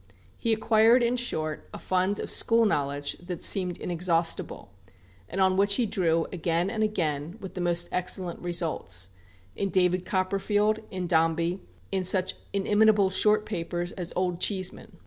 He acquired, in short, a fund of school knowledge that seemed inexhaustible, and on which he drew again and again, with the most excellent results, in "David Copperfield," in "Dombey," in such inimitable short papers as "Old Cheeseman."